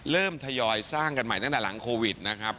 ทยอยสร้างกันใหม่ตั้งแต่หลังโควิดนะครับ